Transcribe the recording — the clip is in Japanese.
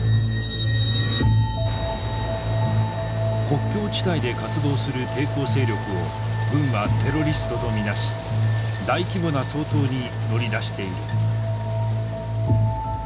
国境地帯で活動する抵抗勢力を軍はテロリストと見なし大規模な掃討に乗り出している。